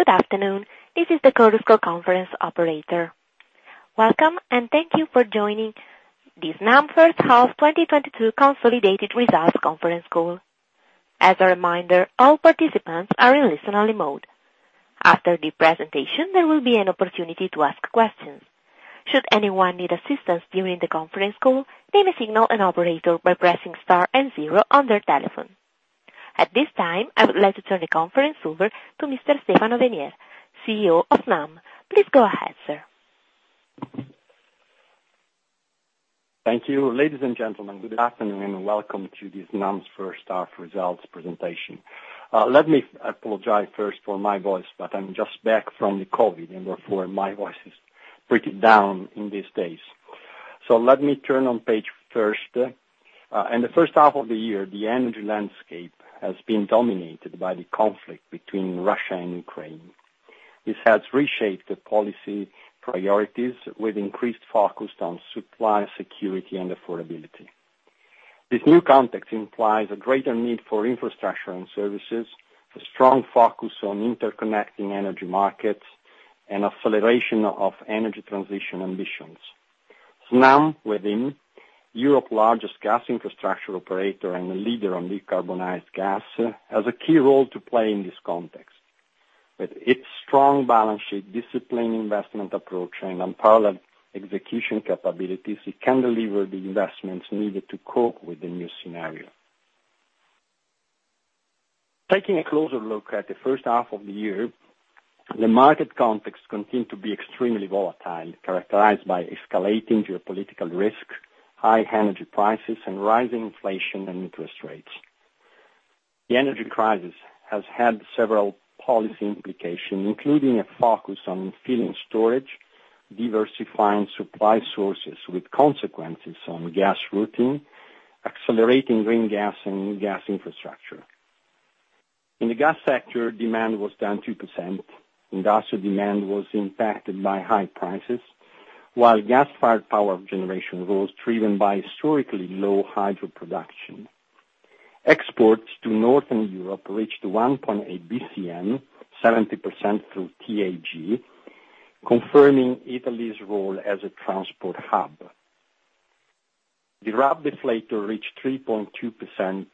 Good afternoon. This is the Chorus Call conference operator. Welcome, and thank you for joining the Snam First Half 2022 Consolidated Results Conference Call. As a reminder, all participants are in listen-only mode. After the presentation, there will be an opportunity to ask questions. Should anyone need assistance during the conference call, they may signal an operator by pressing star and zero on their telephone. At this time, I would like to turn the conference over to Mr. Stefano Venier, CEO of Snam. Please go ahead, sir. Thank you. Ladies and gentlemen, good afternoon, and welcome to Snam's first half results presentation. Let me apologize first for my voice, but I'm just back from the COVID, and therefore, my voice is pretty down in these days. Let me turn to page first. In the first half of the year, the energy landscape has been dominated by the conflict between Russia and Ukraine. This has reshaped the policy priorities with increased focus on supply security and affordability. This new context implies a greater need for infrastructure and services, a strong focus on interconnecting energy markets, and acceleration of energy transition ambitions. Snam, Europe's largest gas infrastructure operator and a leader on decarbonized gas, has a key role to play in this context. With its strong balance sheet, disciplined investment approach, and unparalleled execution capabilities, it can deliver the investments needed to cope with the new scenario. Taking a closer look at the first half of the year, the market context continued to be extremely volatile, characterized by escalating geopolitical risk, high energy prices, and rising inflation and interest rates. The energy crisis has had several policy implications, including a focus on filling storage, diversifying supply sources with consequences on gas routing, accelerating green gas and gas infrastructure. In the gas sector, demand was down 2%. Industrial demand was impacted by high prices, while gas-fired power generation rose, driven by historically low hydro production. Exports to Northern Europe reached 1.8 bcm, 70% through TAG, confirming Italy's role as a transport hub. The RAB deflator reached 3.2%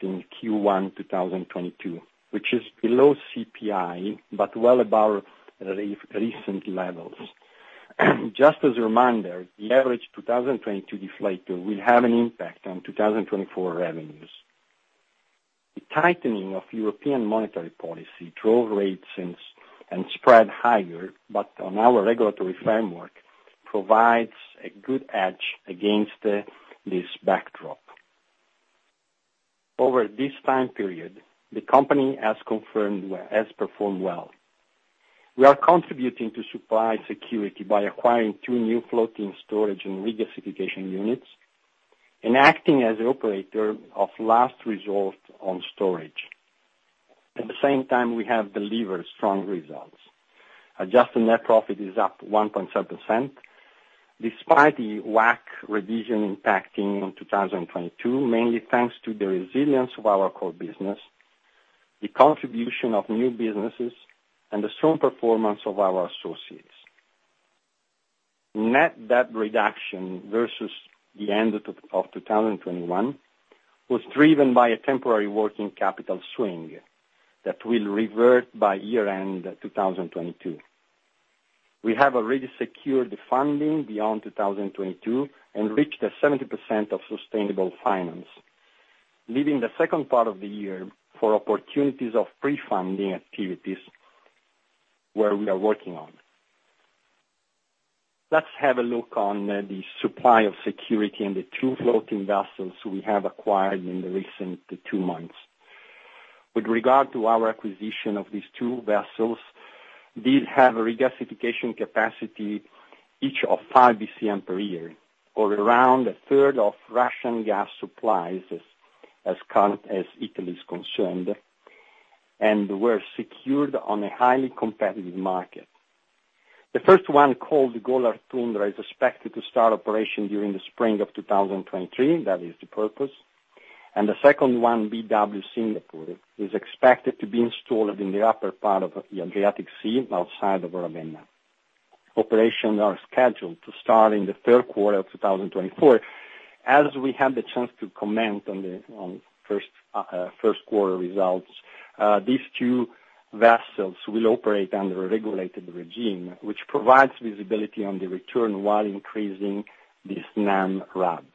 in Q1 2022, which is below CPI, but well above recent levels. Just as a reminder, the average 2022 deflator will have an impact on 2024 revenues. The tightening of European monetary policy drove rates since, and spread higher, but on our regulatory framework provides a good edge against this backdrop. Over this time period, the company has performed well. We are contributing to supply security by acquiring two new floating storage and regasification units and acting as the operator of last resort on storage. At the same time, we have delivered strong results. Adjusted net profit is up 1.7% despite the WACC revision impacting in 2022, mainly thanks to the resilience of our core business, the contribution of new businesses, and the strong performance of our associates. Net debt reduction versus the end of 2021 was driven by a temporary working capital swing that will revert by year-end 2022. We have already secured the funding beyond 2022 and reached 70% of sustainable finance, leaving the second part of the year for opportunities of pre-funding activities, where we are working on. Let's have a look at supply security and the two floating vessels we have acquired in the recent two months. With regard to our acquisition of these two vessels, these have regasification capacity, each of 5 bcm per year, or around a third of Russian gas supplies as Italy is concerned, and were secured on a highly competitive market. The first one, called Golar Tundra, is expected to start operation during the spring of 2023. That is the purpose. The second one, BW Singapore, is expected to be installed in the upper part of the Adriatic Sea outside of Ravenna. Operations are scheduled to start in the third quarter of 2024. As we had the chance to comment on the first quarter results, these two vessels will operate under a regulated regime, which provides visibility on the return while increasing the Snam RAB.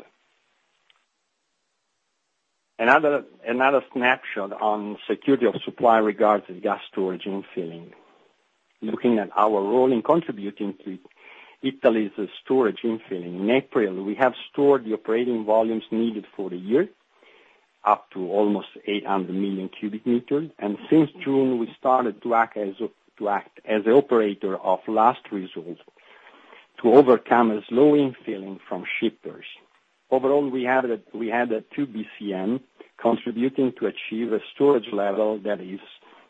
Another snapshot on security of supply regards to gas storage infilling. Looking at our role in contributing to Italy's storage infilling, in April, we have stored the operating volumes needed for the year, up to almost 800 million cubic meters. Since June, we started to act as the operator of last resort to overcome a slowing filling from shippers. Overall, we added 2 bcm, contributing to achieve a storage level that is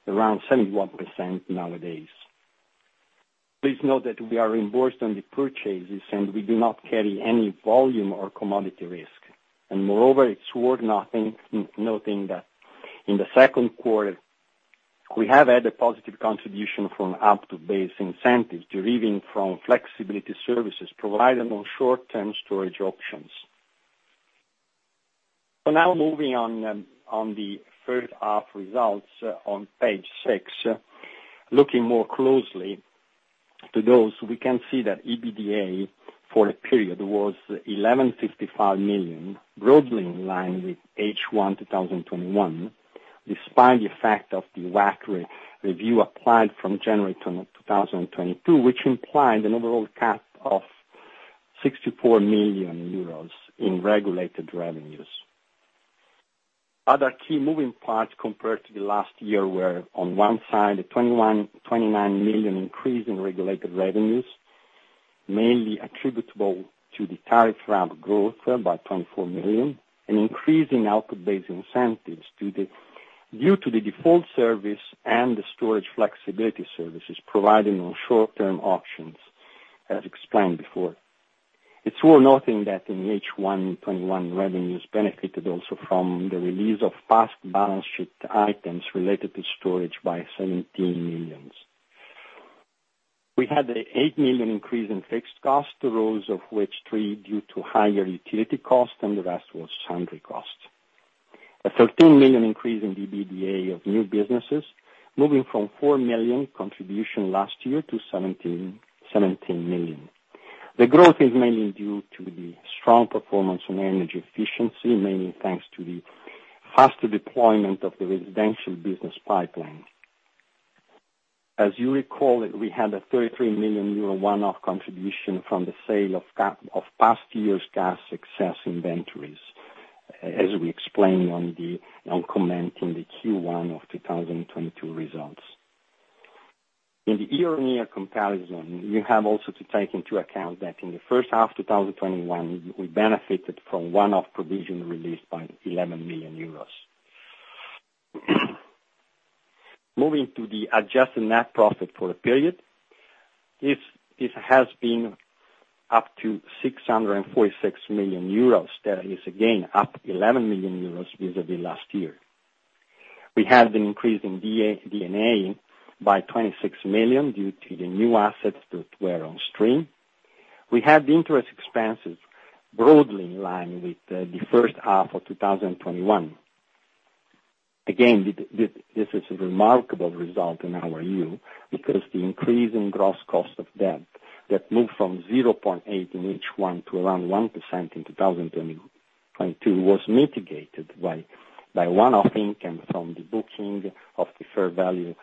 around 71% nowadays. Please note that we are reimbursed on the purchases, and we do not carry any volume or commodity risk. Moreover, it's worth noting that in the second quarter, we have had a positive contribution from output-based incentives deriving from flexibility services provided on short-term storage options. Now moving on to the first half results on page six. Looking more closely to those, we can see that EBITDA for the period was 1,155 million, broadly in line with H1 2021, despite the effect of the WACC re-review applied from January 2022, which implied an overall cap of 64 million euros in regulated revenues. Other key moving parts compared to the last year were, on one side, a 29 million increase in regulated revenues, mainly attributable to the tariff RAB growth by 24 million, an increase in output-based incentives due to the default service and the storage flexibility services provided on short-term options, as explained before. It's worth noting that in H1 2021, revenues benefited also from the release of past balance sheet items related to storage by 17 million. We had an 8 million increase in fixed costs arose of which 3 million due to higher utility costs, and the rest was sundry costs. A 13 million increase in EBITDA of new businesses, moving from 4 million contribution last year to 17 million. The growth is mainly due to the strong performance in energy efficiency, mainly thanks to the faster deployment of the residential business pipeline. As you recall, we had a 33 million euro one-off contribution from the sale of past years gas excess inventories, as we explained on commenting the Q1 2022 results. In the year-on-year comparison, you have also to take into account that in the first half of 2021, we benefited from one-off provision released by 11 million euros. Moving to the adjusted net profit for the period, this has been up to 646 million euros. That is again up 11 million euros vis-à-vis last year. We had an increase in D&A by 26 million due to the new assets that were on stream. We have the interest expenses broadly in line with the first half of 2021. This is a remarkable result in our view, because the increase in gross cost of debt that moved from 0.8% in H1 to around 1% in 2022 was mitigated by one-off income from the booking of the fair value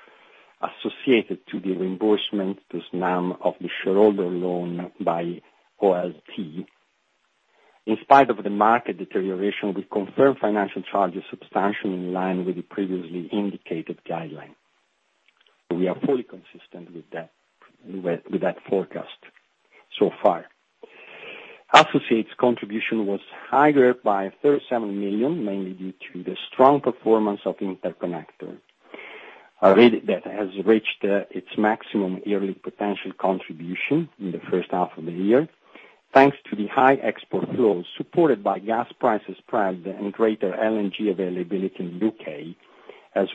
associated to the reimbursement to Snam of the shareholder loan by OLT. In spite of the market deterioration, we confirmed financial charges substantially in line with the previously indicated guideline. We are fully consistent with that forecast so far. Associates contribution was higher by 37 million, mainly due to the strong performance of Interconnector. Already, data has reached its maximum yearly potential contribution in the first half of the year, thanks to the high export flows supported by gas price spreads and greater LNG availability in U.K., as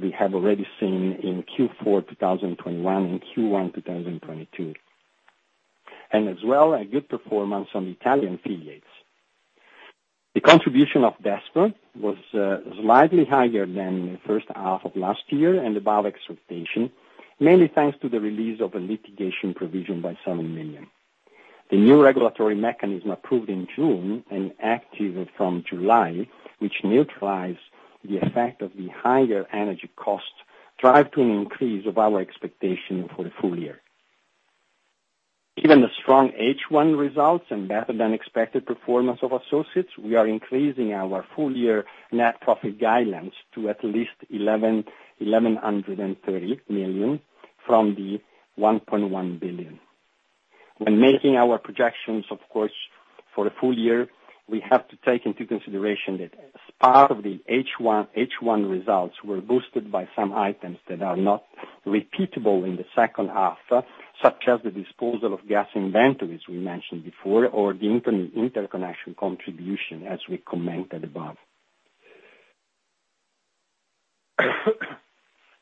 we have already seen in Q4 2021 and Q1 2022. As well, a good performance on Italian affiliates. The contribution of DESFA was slightly higher than the first half of last year and above expectation, mainly thanks to the release of a litigation provision of 7 million. The new regulatory mechanism approved in June and active from July, which neutralizes the effect of the higher energy costs, drive to an increase of our expectation for the full year. Given the strong H1 results and better than expected performance of associates, we are increasing our full year net profit guidelines to at least 1,130 million from 1.1 billion. When making our projections, of course, for the full year, we have to take into consideration that as part of the H1 results were boosted by some items that are not repeatable in the second half, such as the disposal of gas inventories we mentioned before, or the interconnection contribution, as we commented above.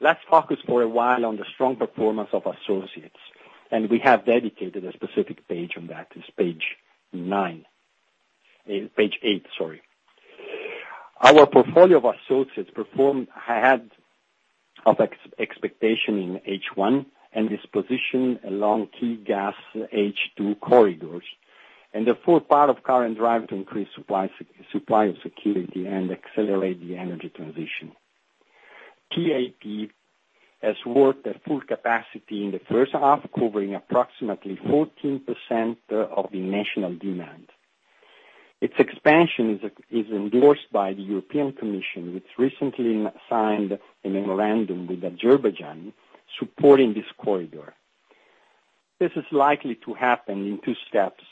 Let's focus for a while on the strong performance of associates, and we have dedicated a specific page on that. It's page nine. Page eight, sorry. Our portfolio of associates performed ahead of expectation in H1, and is positioned along key gas H2 corridors, and the full power of current drive to increase supply security and accelerate the energy transition. TAP has worked at full capacity in the first half, covering approximately 14% of the national demand. Its expansion is endorsed by the European Commission, which recently signed a memorandum with Azerbaijan supporting this corridor. This is likely to happen in two steps,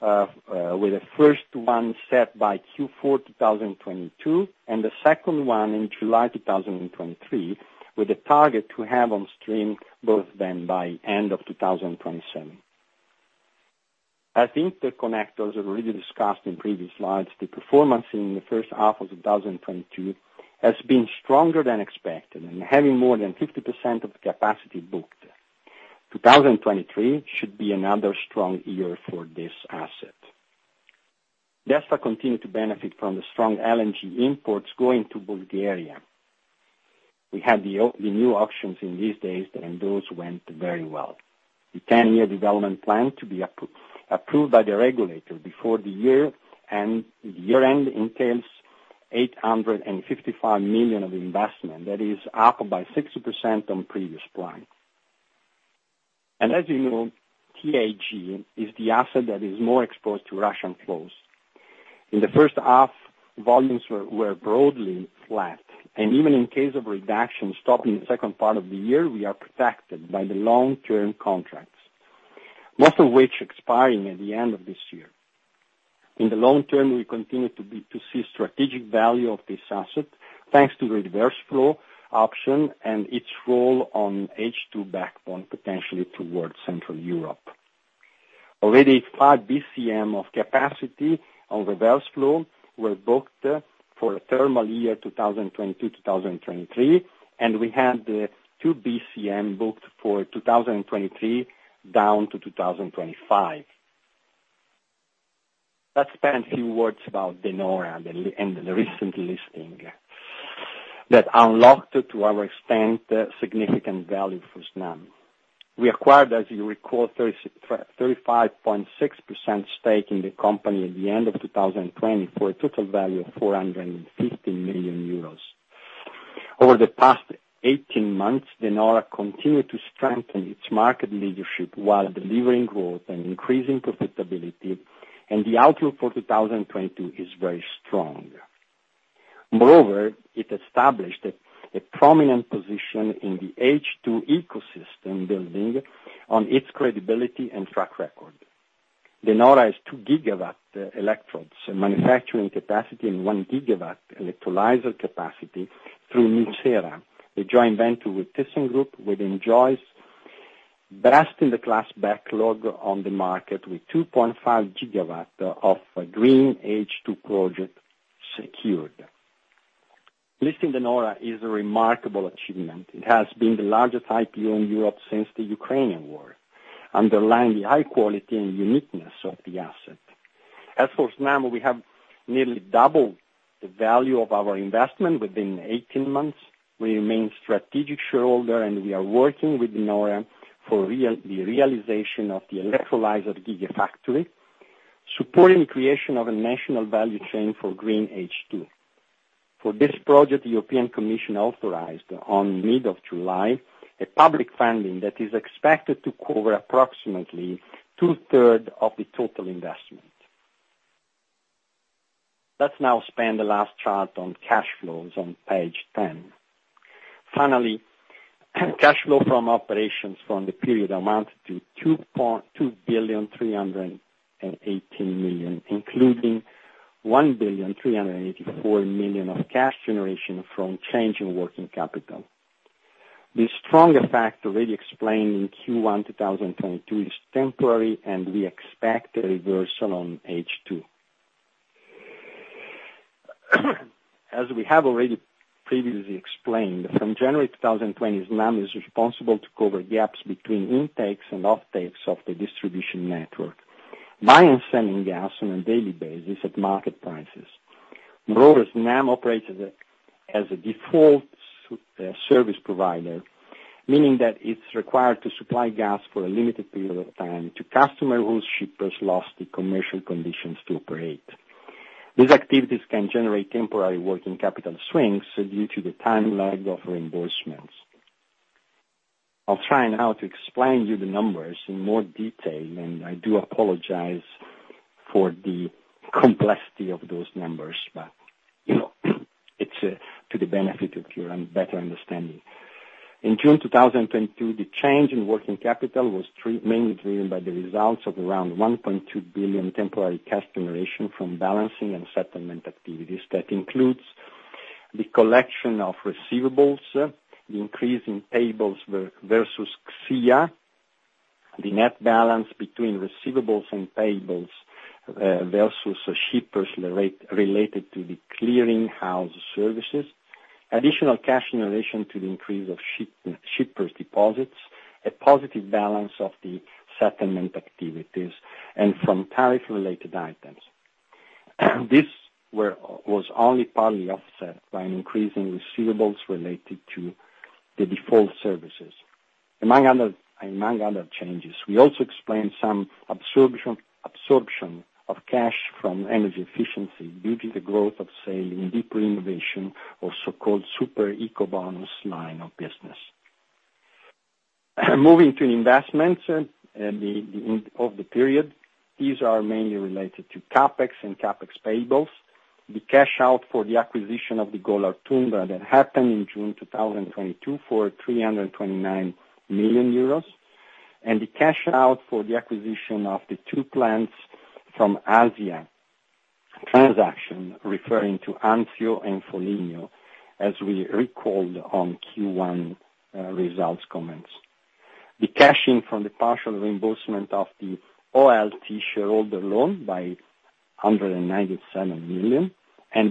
with the first one set by Q4 2022, and the second one in July 2023, with the target to have on stream both then by end of 2027. As interconnectors already discussed in previous slides, the performance in the first half of 2022 has been stronger than expected and having more than 50% of the capacity booked. 2023 should be another strong year for this asset. DESFA continue to benefit from the strong LNG imports going to Bulgaria. We had the new auctions in these days, and those went very well. The ten-year development plan to be approved by the regulator before the year, and the year-end entails 855 million of investment, that is up by 60% on previous plan. As you know, TAG is the asset that is more exposed to Russian flows. In the first half, volumes were broadly flat, and even in case of reduction stopping the second part of the year, we are protected by the long-term contracts, most of which expiring at the end of this year. In the long term, we continue to see strategic value of this asset thanks to the reverse flow option and its role on H2 backbone, potentially towards Central Europe. Already 5 bcm of capacity on reverse flow were booked for a thermal year 2022-2023, and we had 2 bcm booked for 2023-2025. Let's spend a few words about De Nora and the recent listing that unlocked, to a great extent, the significant value for Snam. We acquired, as you recall, 35.6% stake in the company at the end of 2020 for a total value of 450 million euros. Over the past 18 months, De Nora continued to strengthen its market leadership while delivering growth and increasing profitability, and the outlook for 2022 is very strong. Moreover, it established a prominent position in the H2 ecosystem building on its credibility and track record. De Nora has 2 GW electrodes manufacturing capacity, and 1 GW electrolyzer capacity through nucera, a joint venture with thyssenkrupp, which enjoys best-in-the-class backlog on the market with 2.5 GW of green H2 project secured. Listing De Nora is a remarkable achievement. It has been the largest IPO in Europe since the Ukrainian war, underlying the high quality and uniqueness of the asset. As for Snam, we have nearly doubled the value of our investment within 18 months. We remain strategic shareholder, and we are working with De Nora for the realization of the electrolyzer gigafactory, supporting creation of a national value chain for green H2. For this project, the European Commission authorized in mid-July a public funding that is expected to cover approximately two-thirds of the total investment. Let's now see the last chart on cash flows on page 10. Finally, cash flow from operations for the period amounted to 2.318 billion, including 1.384 billion of cash generation from change in working capital. The strong effect already explained in Q1 2022 is temporary, and we expect a reversal on H2. As we have already previously explained, from January 2020, Snam is responsible to cover gaps between intakes and outtakes of the distribution network by sending gas on a daily basis at market prices. Moreover, Snam operates as a default service provider, meaning that it's required to supply gas for a limited period of time to customers whose shippers lost the commercial conditions to operate. These activities can generate temporary working capital swings due to the timeline of reimbursements. I'll try now to explain to you the numbers in more detail, and I do apologize for the complexity of those numbers, but you know, it's to the benefit of your better understanding. In June 2022, the change in working capital was mainly driven by the results of around 1.2 billion temporary cash generation from balancing and settlement activities that includes the collection of receivables, the increase in payables versus CSEA, the net balance between receivables and payables versus shippers related to the clearing house services, additional cash in relation to the increase of shippers deposits, a positive balance of the settlement activities, and from tariff-related items. This was only partly offset by an increase in receivables related to the default services. Among other changes, we also explained some absorption of cash from energy efficiency due to the growth of sales in deep renovation or so-called Super-Ecobonus line of business. Moving to investments of the period, these are mainly related to CapEx and CapEx payables. The cash out for the acquisition of the Golar Tundra that happened in June 2022 for 329 million euros, and the cash out for the acquisition of the two plants from Asja transaction, referring to Anzio and Foligno, as we recalled on Q1 results comments. The cash in from the partial reimbursement of the OLT shareholder loan of 197 million, and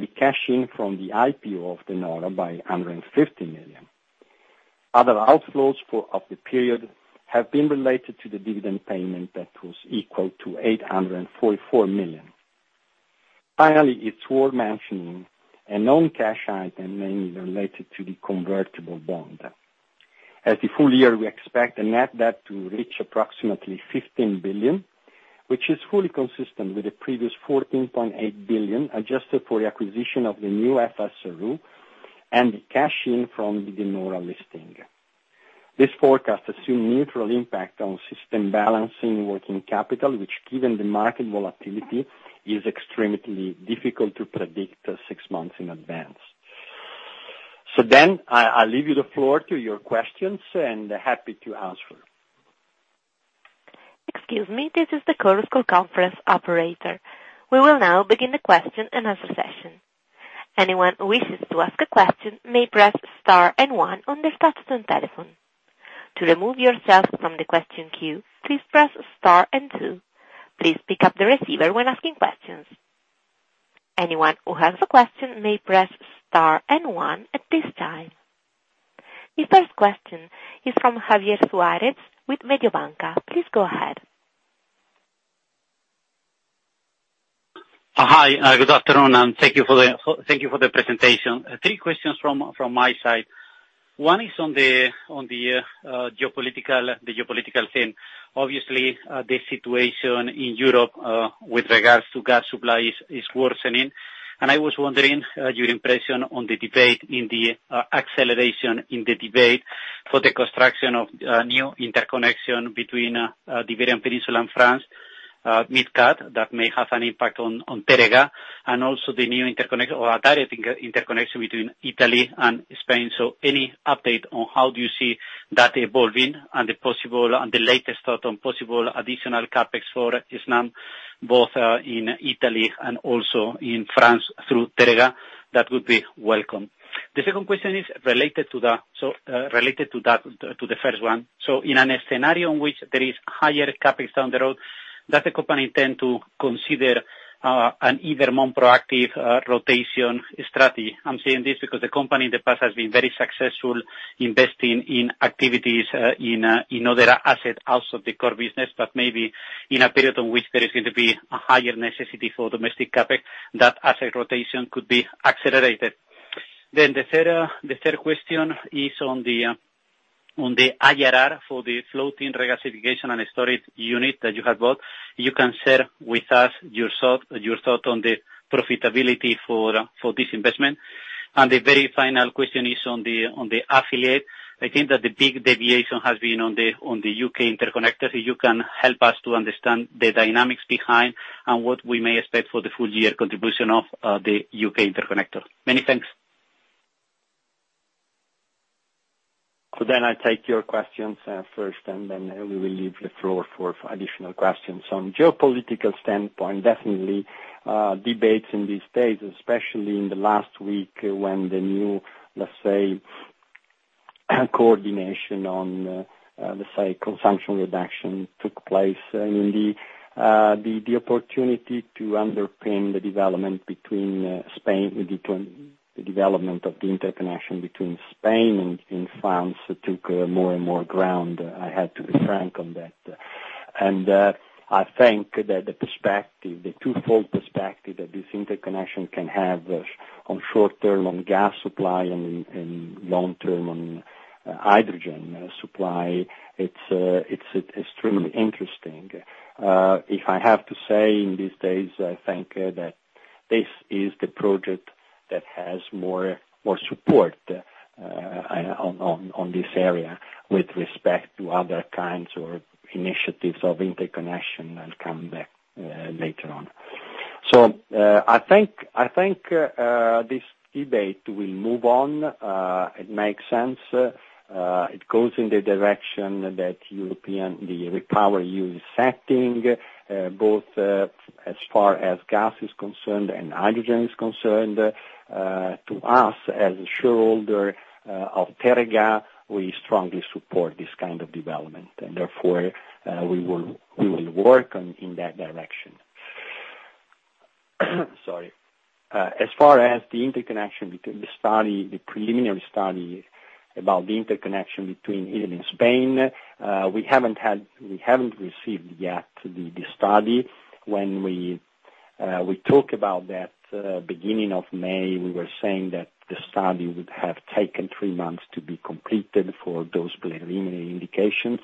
the cash in from the IPO of De Nora of 150 million. Other outflows of the period have been related to the dividend payment that was equal to 844 million. Finally, it's worth mentioning a non-cash item mainly related to the convertible bond. For the full year, we expect the net debt to reach approximately 15 billion, which is fully consistent with the previous 14.8 billion, adjusted for the acquisition of the new FSRU and the cash in from the De Nora listing. This forecast assumes neutral impact on system balancing working capital, which given the market volatility, is extremely difficult to predict six months in advance. I leave you the floor to your questions, and happy to answer. Excuse me, this is the Chorus Call conference operator. We will now begin the question and answer session. Anyone who wishes to ask a question may press star and one on their touchtone telephone. To remove yourself from the question queue, please press star and two. Please pick up the receiver when asking questions. Anyone who has a question may press star and one at this time. The first question is from Javier Suarez with Mediobanca. Please go ahead. Hi, good afternoon, and thank you for the presentation. Three questions from my side. One is on the geopolitical scene. Obviously, the situation in Europe with regards to gas supply is worsening, and I was wondering your impression on the acceleration in the debate for the construction of new interconnection between the Iberian Peninsula and France, MidCat, that may have an impact on Teréga, and also the new interconnect or a direct interconnection between Italy and Spain. Any update on how you see that evolving and the latest thought on possible additional CapEx for Snam, both in Italy and also in France through Teréga, would be welcome. The second question is related to the... Related to that, to the first one. In a scenario in which there is higher CapEx down the road, does the company intend to consider an even more proactive rotation strategy? I'm saying this because the company in the past has been very successful investing in activities in other assets out of the core business, but maybe in a period in which there is going to be a higher necessity for domestic CapEx, that asset rotation could be accelerated. The third question is on the IRR for the floating regasification and storage unit that you have bought. You can share with us your thought on the profitability for this investment. The very final question is on the affiliate. I think that the big deviation has been on the U.K. Interconnector. If you can help us to understand the dynamics behind and what we may expect for the full year contribution of the U.K. Interconnector? Many thanks. I take your questions, first, and then we will leave the floor for additional questions. From geopolitical standpoint, definitely, debates in these days, especially in the last week when the new, let's say, coordination on, let's say, consumption reduction took place. I mean, the opportunity to underpin the development between Spain. Between the development of the interconnection between Spain and France took more and more ground, I have to be frank on that. I think that the perspective, the twofold perspective that this interconnection can have on short-term on gas supply and long-term on hydrogen supply, it's extremely interesting. If I have to say in these days, I think that this is the project that has more support on this area with respect to other kinds of initiatives of interconnection that come up later on. I think this debate will move on. It makes sense. It goes in the direction that European the REPowerEU is affecting, both as far as gas is concerned and hydrogen is concerned. To us, as a shareholder of Teréga, we strongly support this kind of development, and therefore, we will work in that direction. Sorry. As far as the interconnection, the preliminary study about the interconnection between Italy and Spain, we haven't received yet the study. When we talk about that, beginning of May, we were saying that the study would have taken three months to be completed for those preliminary indications.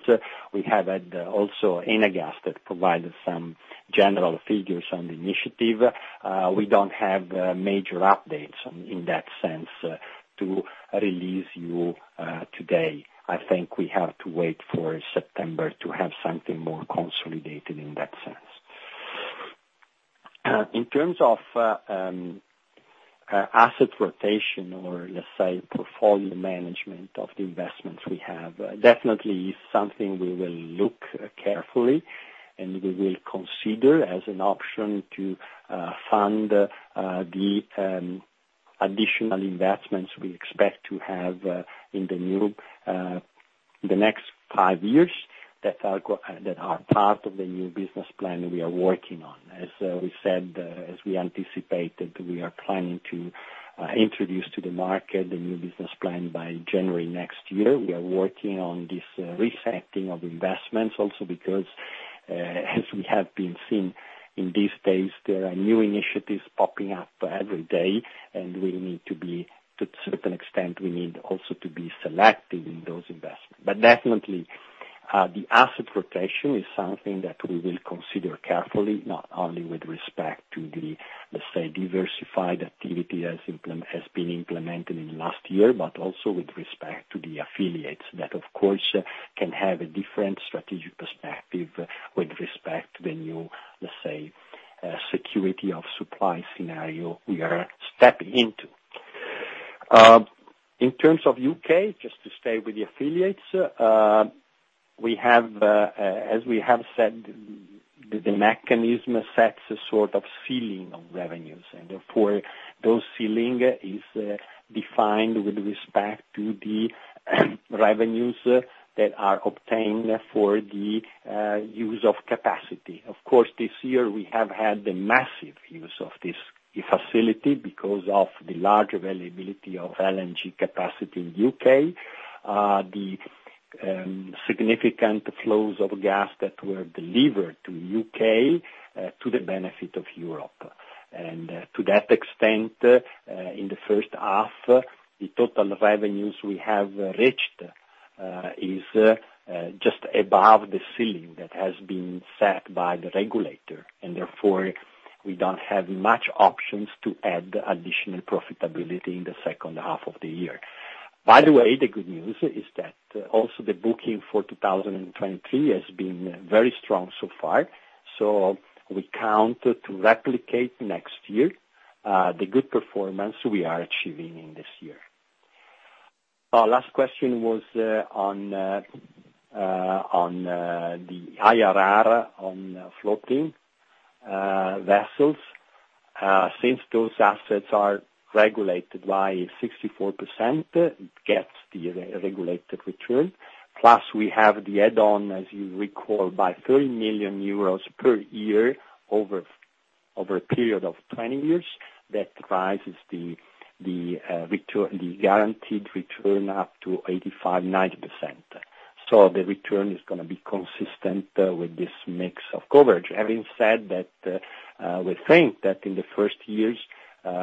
We have had also Enagás that provided some general figures on the initiative. We don't have major updates in that sense to release to you today. I think we have to wait for September to have something more consolidated in that sense. In terms of asset rotation or let's say portfolio management of the investments we have, definitely is something we will look carefully and we will consider as an option to fund the additional investments we expect to have in the next five years that are part of the new business plan we are working on. As we said, as we anticipated, we are planning to introduce to the market the new business plan by January next year. We are working on this resetting of investments also because as we have been seeing in these days, there are new initiatives popping up every day, and to a certain extent, we need also to be selective in those investments. Definitely, the asset rotation is something that we will consider carefully, not only with respect to the, let's say, diversified activity as implemented in last year, but also with respect to the affiliates. That of course can have a different strategic perspective with respect to the new, let's say, security of supply scenario we are stepping into. In terms of U.K., just to stay with the affiliates, we have, as we have said, the mechanism sets a sort of ceiling of revenues, and therefore, that ceiling is defined with respect to the revenues that are obtained for the use of capacity. Of course, this year we have had the massive use of this facility, because of the large availability of LNG capacity in U.K., the significant flows of gas that were delivered to U.K., to the benefit of Europe. To that extent, in the first half, the total revenues we have reached is just above the ceiling that has been set by the regulator, and therefore we don't have much options to add additional profitability in the second half of the year. By the way, the good news is that also the booking for 2020 has been very strong so far, so we expect to replicate next year the good performance we are achieving in this year. Our last question was on the IRR on floating vessels. Since those assets are regulated by 64%, it gets the regulated return. Plus, we have the add-on, as you recall, of 30 million euros per year over a period of 20 years. That raises the return, the guaranteed return up to 85%-90%. So the return is gonna be consistent with this mix of coverage. Having said that, we think that in the first years,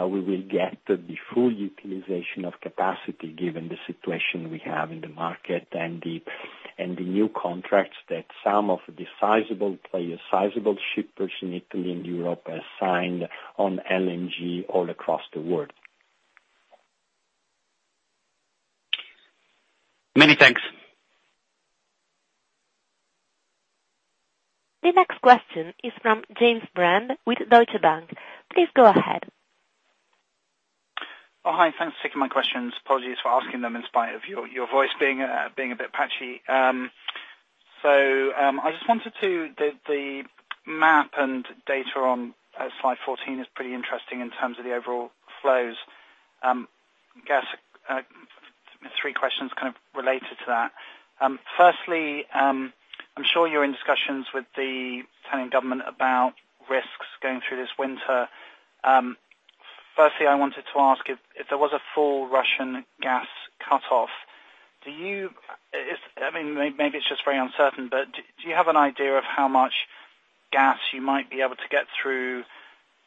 we will get the full utilization of capacity given the situation we have in the market and the new contracts that some of the sizable shippers in Italy and Europe have signed on LNG all across the world. Many thanks. The next question is from James Brand with Deutsche Bank. Please go ahead. Oh, hi. Thanks for taking my questions. Apologies for asking them in spite of your voice being a bit patchy. The map and data on slide 14 is pretty interesting in terms of the overall flows. I guess three questions kind of related to that. I'm sure you're in discussions with the Italian government about risks going through this winter. Firstly, I wanted to ask if there was a full Russian gas cutoff. I mean, maybe it's just very uncertain, but do you have an idea of how much gas you might be able to get through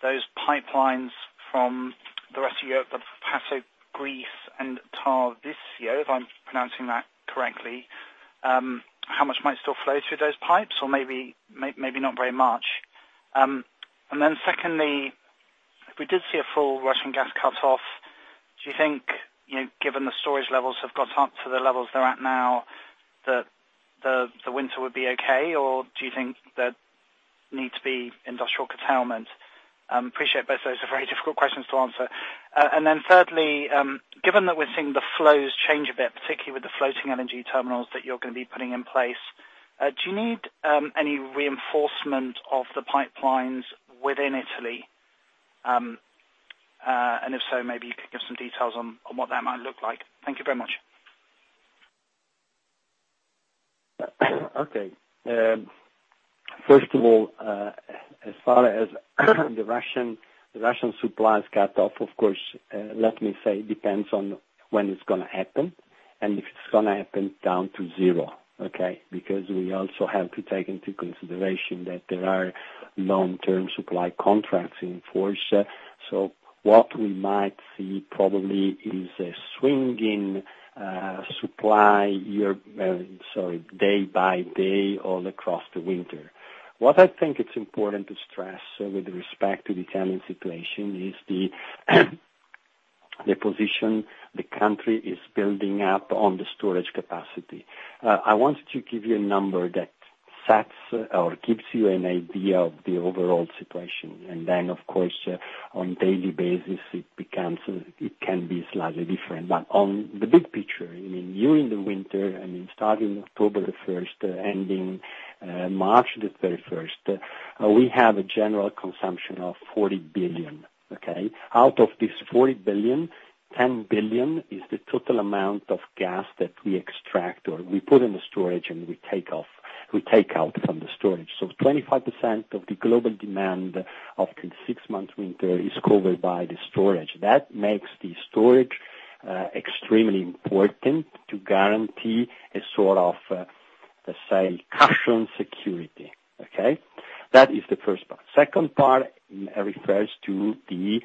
those pipelines from the rest of Europe, perhaps from Greece and Tarvisio, if I'm pronouncing that correctly, how much might still flow through those pipes? Maybe not very much. Secondly, if we did see a full Russian gas cutoff, do you think, you know, given the storage levels have got up to the levels they're at now, that the winter would be okay? Or do you think there'd need to be industrial curtailment? I appreciate that both those are very difficult questions to answer. Thirdly, given that we're seeing the flows change a bit, particularly with the floating LNG terminals that you're gonna be putting in place, do you need any reinforcement of the pipelines within Italy? And if so, maybe you could give some details on what that might look like. Thank you very much. Okay. First of all, as far as the Russian supplies cutoff, of course, let me say it depends on when it's gonna happen and if it's gonna happen down to zero, okay? Because we also have to take into consideration that there are long-term supply contracts in force. So what we might see probably is a swing in supply day by day all across the winter. What I think it's important to stress with respect to the current situation is the position the country is building up on the storage capacity. I wanted to give you a number that sets or gives you an idea of the overall situation. Of course on daily basis it becomes, it can be slightly different. On the big picture, I mean, during the winter, I mean, starting October the first, ending March the first, we have a general consumption of 40 billion, okay? Out of this 40 billion, 10 billion is the total amount of gas that we extract or we put in the storage and we take out from the storage. So 25% of the global demand of the six-month winter is covered by the storage. That makes the storage extremely important to guarantee a sort of, let's say, caution security, okay? That is the first part. Second part refers to the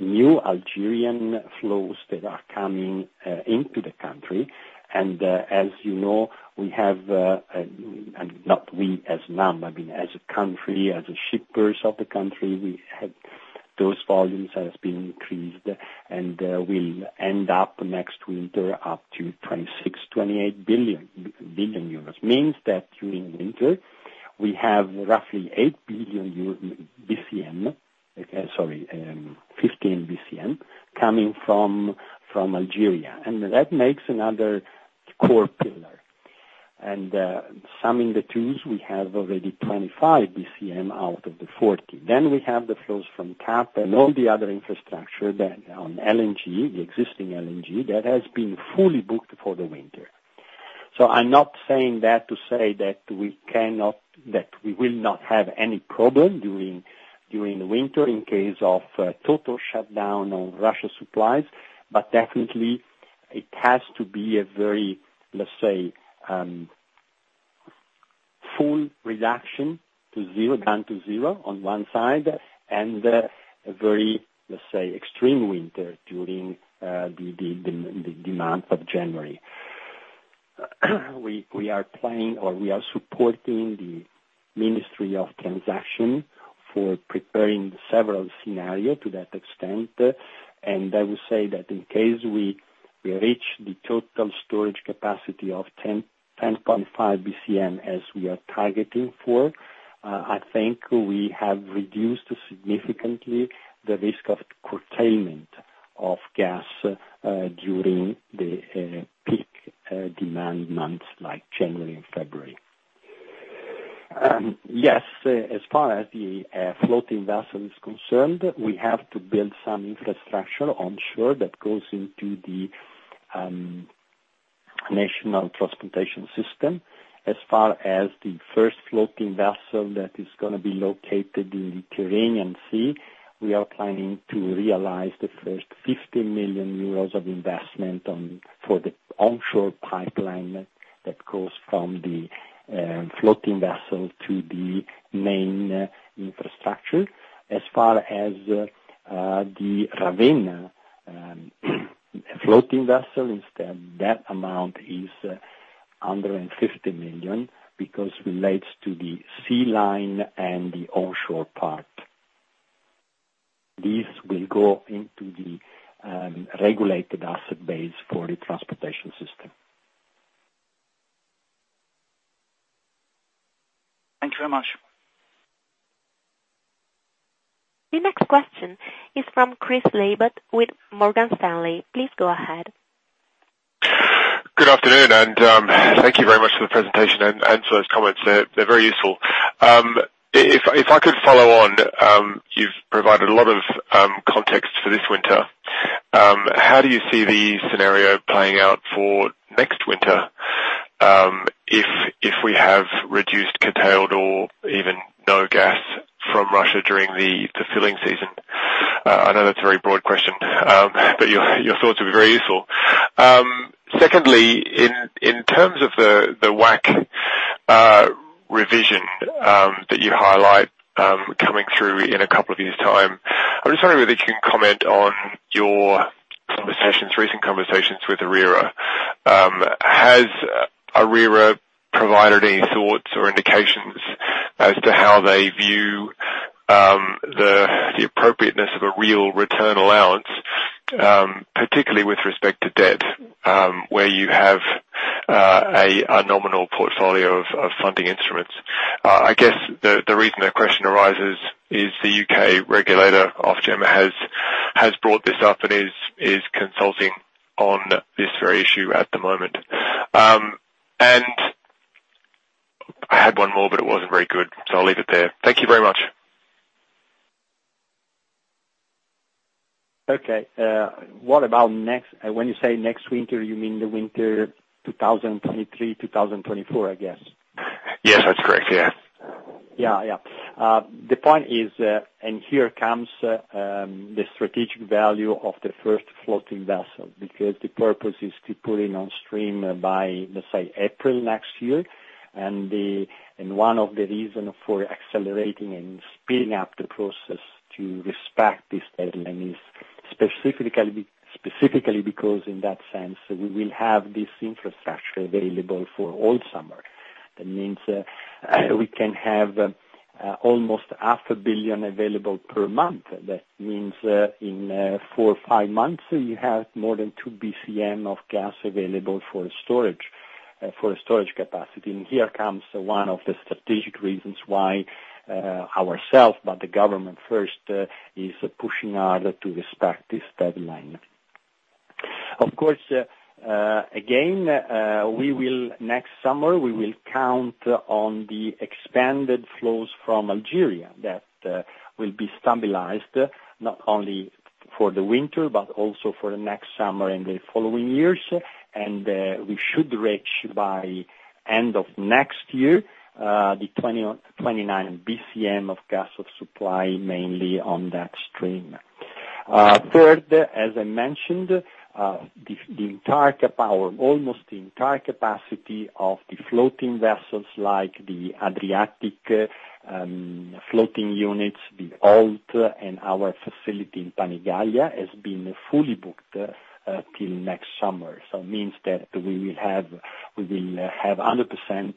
new Algerian flows that are coming into the country. As you know, we have not we as Snam, I mean, as a country, as shippers of the country, we have those volumes has been increased and will end up next winter up to 26-28 bcm. Means that during winter we have roughly 8 billion bcm, sorry, 15 bcm, coming from Algeria. That makes another core pillar. Summing the twos, we have already 25 bcm out of the 40. Then we have the flows from TAP and all the other infrastructure that on LNG, the existing LNG, that has been fully booked for the winter. I'm not saying that to say that we cannot. that we will not have any problem during the winter in case of total shutdown on Russian supplies, but definitely it has to be a very, let's say, full reduction to zero, down to zero on one side and a very, let's say, extreme winter during the month of January. We are planning or we are supporting the Ministry of Ecological Transition for preparing several scenarios to that extent. I will say that in case we reach the total storage capacity of 10.5 bcm as we are targeting for, I think we have reduced significantly the risk of curtailment of gas during the peak demand months like January and February. Yes, as far as the floating vessel is concerned, we have to build some infrastructure onshore that goes into the national transportation system. As far as the first floating vessel that is gonna be located in the Mediterranean Sea, we are planning to realize the first 50 million euros of investment on, for the onshore pipeline that goes from the floating vessel to the main infrastructure. As far as the Ravenna floating vessel, instead that amount is under 50 million because relates to the sea line and the onshore part. This will go into the regulated asset base for the transportation system. Thank you very much. The next question is from Chris Lee with Morgan Stanley. Please go ahead. Good afternoon, thank you very much for the presentation and for those comments. They're very useful. If I could follow on, you've provided a lot of context for this winter. How do you see the scenario playing out for next winter, if we have reduced, curtailed or even no gas from Russia during the filling season? I know that's a very broad question, but your thoughts would be very useful. Secondly, in terms of the WACC revision that you highlight coming through in a couple of years' time, I'm just wondering whether you can comment on your recent conversations with ARERA. Has ARERA provided any thoughts or indications as to how they view the appropriateness of a real return allowance, particularly with respect to debt, where you have a nominal portfolio of funding instruments? I guess the reason the question arises is the U.K. regulator, Ofgem, has brought this up and is consulting on this very issue at the moment. I had one more, but it wasn't very good, so I'll leave it there. Thank you very much. Okay. What about next winter? When you say next winter, you mean the winter 2023-2024, I guess? Yes, that's correct. Yeah. Yeah, yeah. The point is, and here comes the strategic value of the first floating vessel, because the purpose is to put in on stream by, let's say, April next year. One of the reasons for accelerating and speeding up the process to respect this deadline is specifically because in that sense, we will have this infrastructure available for all summer. That means we can have almost half a billion available per month. That means that in four or five months, you have more than 2 bcm of gas available for storage capacity. Here comes one of the strategic reasons why ourselves, but the government first, is pushing hard to respect this deadline. Of course, again, we will. Next summer, we will count on the expanded flows from Algeria that will be stabilized not only for the winter but also for the next summer and the following years. We should reach by end of next year the 29 bcm of gas of supply, mainly on that stream. Third, as I mentioned, almost the entire capacity of the floating vessels, like the Adriatic floating units, the OLT, and our facility in Panigaglia, has been fully booked till next summer. Means that we will have 100%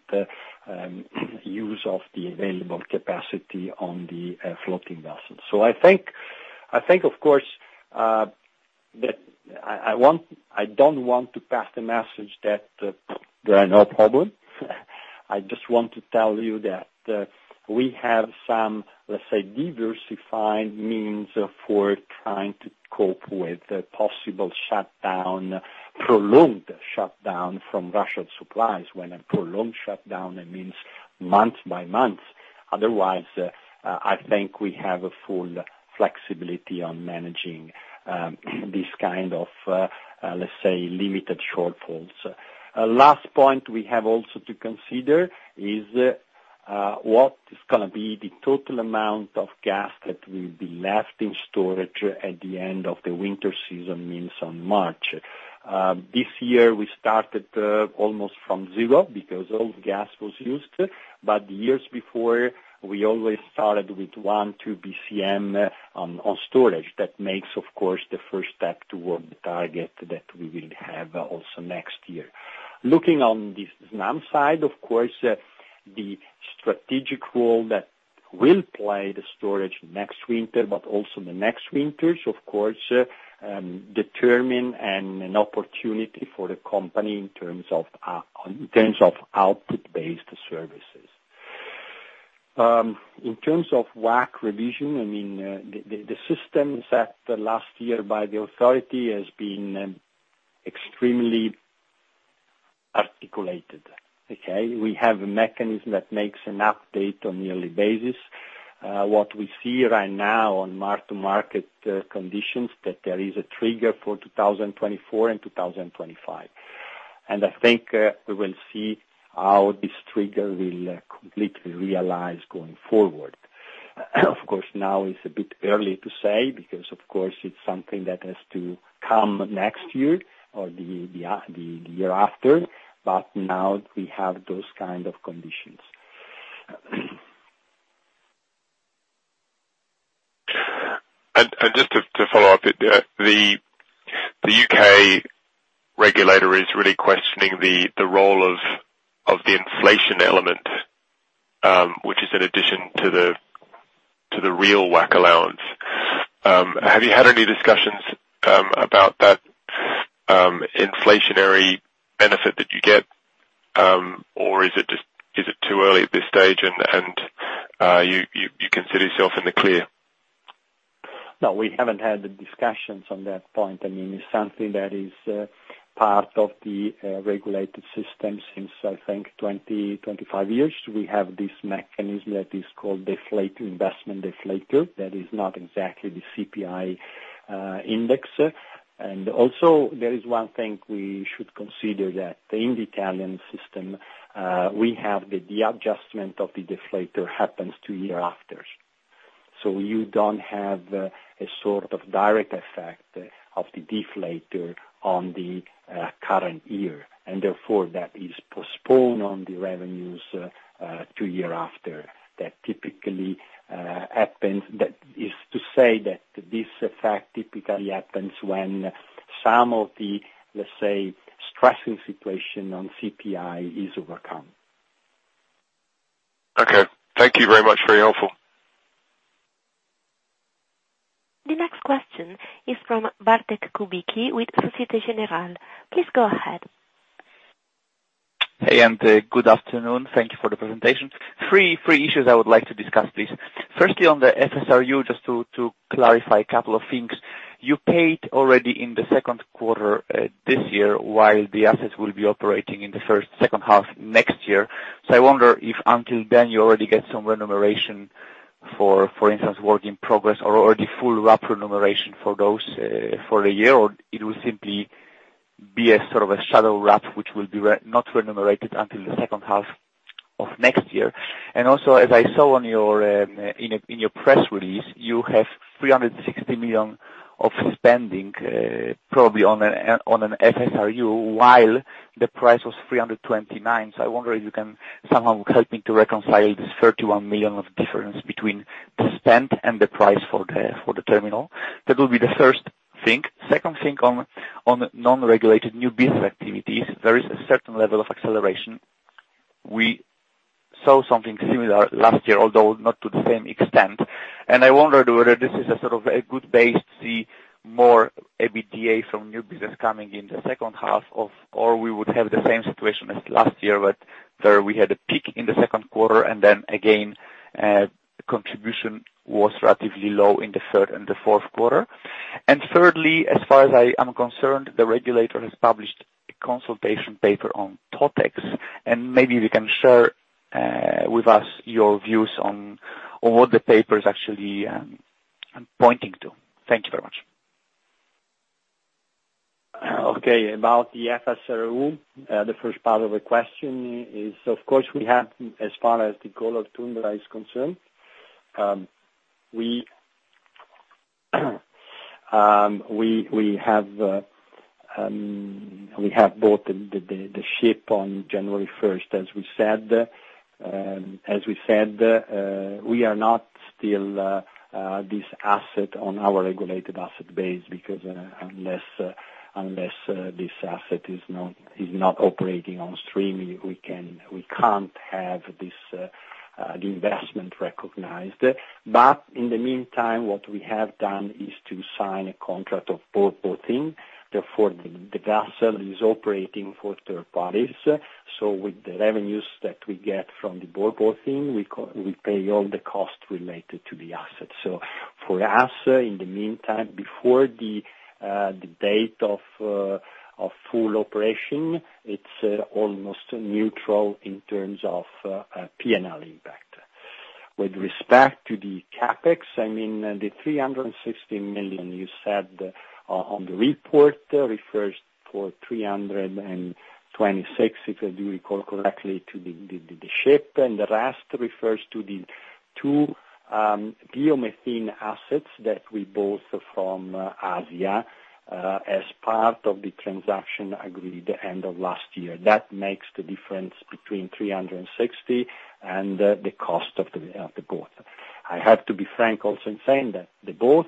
use of the available capacity on the floating vessels. I think, of course, that I don't want to pass the message that there are no problem. I just want to tell you that we have some, let's say, diversified means for trying to cope with the possible prolonged shutdown from Russian supplies. When a prolonged shutdown, it means month by month. Otherwise, I think we have a full flexibility on managing this kind of, let's say, limited shortfalls. Last point we have also to consider is what is gonna be the total amount of gas that will be left in storage at the end of the winter season, means on March. This year, we started almost from zero because all gas was used. Years before, we always started with 1-2 bcm on storage. That makes, of course, the first step toward the target that we will have also next year. Looking on the Snam side, of course, the strategic role that will play the storage next winter, but also the next winters, of course, determine an opportunity for the company in terms of output-based services. In terms of WACC revision, I mean, the systems set the last year by the authority has been extremely articulated. Okay? We have a mechanism that makes an update on yearly basis. What we see right now on mark-to-market conditions, that there is a trigger for 2024 and 2025. I think we will see how this trigger will completely realize going forward. Of course, now is a bit early to say because, of course, it's something that has to come next year or the year after, but now we have those kind of conditions. Just to follow up, the U.K. regulator is really questioning the role of the inflation element, which is in addition to the real WACC allowance. Have you had any discussions about that inflationary benefit that you get, or is it too early at this stage and you consider yourself in the clear? No, we haven't had discussions on that point. I mean, it's something that is part of the regulated system since, I think, 25 years. We have this mechanism that is called deflator, investment deflator. That is not exactly the CPI index. And also, there is one thing we should consider that in the Italian system, we have the adjustment of the deflator happens two years after. You don't have a sort of direct effect of the deflator on the current year. And therefore, that is postponed on the revenues two years after. That typically happens. That is to say that this effect typically happens when some of the, let's say, stressing situation on CPI is overcome. Okay. Thank you very much. Very helpful. The next question is from Bartek Kubicki with Société Générale. Please go ahead. Hey, good afternoon. Thank you for the presentation. Three issues I would like to discuss, please. Firstly, on the FSRU, just to clarify a couple of things. You paid already in the second quarter this year, while the assets will be operating in the second half next year. I wonder if until then you already get some remuneration for instance, work in progress or already full RAB remuneration for those for a year, or it will simply be a sort of a shadow RAB which will be not remunerated until the second half of next year. Also, as I saw in your press release, you have 360 million of spending probably on an FSRU while the price was 329 million. I wonder if you can somehow help me to reconcile this 31 million of difference between spend and the price for the terminal. That will be the first thing. Second thing on non-regulated new business activities, there is a certain level of acceleration. We saw something similar last year, although not to the same extent, and I wondered whether this is a sort of a good base to see more EBITDA from new business coming in the second half or we would have the same situation as last year, but where we had a peak in the second quarter and then again, contribution was relatively low in the third and the fourth quarter. Thirdly, as far as I am concerned, the regulator has published a consultation paper on topics, and maybe you can share with us your views on what the paper is actually pointing to. Thank you very much. Okay. About the FSRU, the first part of the question is, of course, we have as far as the Golar Tundra is concerned, we have bought the ship on January first, as we said. As we said, we do not yet have this asset on our Regulated Asset Base because until this asset is operating on stream, we can't have the investment recognized. In the meantime, what we have done is to sign a contract of bareboat chartering. Therefore, the vessel is operating for third parties. With the revenues that we get from the bareboat chartering, we pay all the costs related to the asset. For us, in the meantime, before the date of full operation, it's almost neutral in terms of P&L impact. With respect to the CapEx, I mean, the 360 million you said on the report refers to 326 million, if I do recall correctly, to the ship, and the rest refers to the two biomethane assets that we bought from Asja as part of the transaction agreed end of last year. That makes the difference between 360 million and the cost of the boat. I have to be frank also in saying that the boat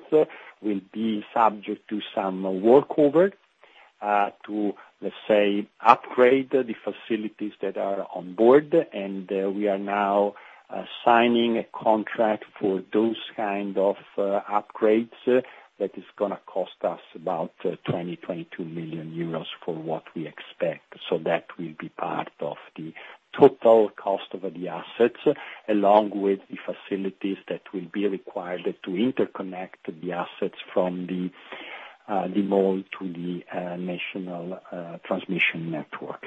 will be subject to some work over to, let's say, upgrade the facilities that are on board. We are now signing a contract for those kind of upgrades that is gonna cost us about 22 million euros for what we expect. That will be part of the total cost of the assets, along with the facilities that will be required to interconnect the assets from the mall to the national transmission network.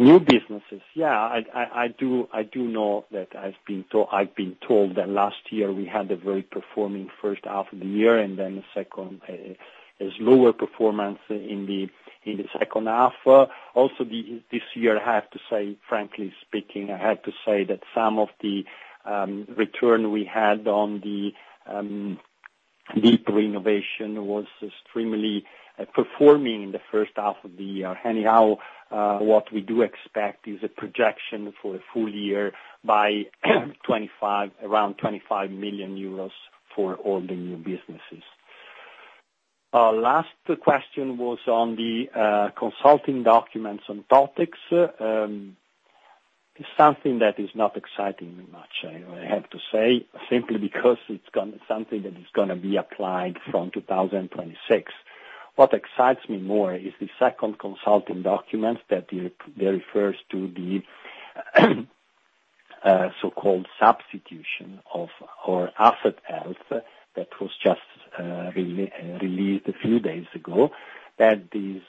New businesses. Yeah, I do know that I've been told that last year we had a very performing first half of the year and then a slower performance in the second half. Also this year, I have to say, frankly speaking, I have to say that some of the return we had on the deep renovation was extremely performing in the first half of the year. Anyhow, what we do expect is a projection for a full year by 2025, around 25 million euros for all the new businesses. Last question was on the consulting documents on topics. Something that is not exciting me much, I have to say, simply because it's something that is gonna be applied from 2026. What excites me more is the second consultation document that refers to the so-called substitution of our asset base. That was just released a few days ago. That is,